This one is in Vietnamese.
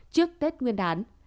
trước tết nguyên đán